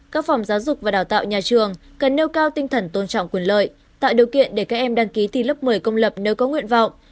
các phòng giáo dục và đào tạo nhà trường cần nêu cao tinh thần tôn trọng quyền lợi tạo điều kiện để các em đăng ký thi lớp một mươi công lập nếu có nguyện vọng